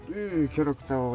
キャラクターを。